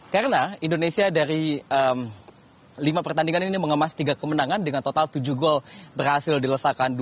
karena indonesia dari lima pertandingan ini mengemas tiga kemenangan dengan total tujuh gol berhasil dilesakan